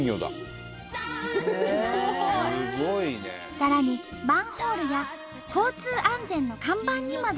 さらにマンホールや交通安全の看板にまで。